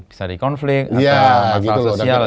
bisa di konflik atau masalah sosial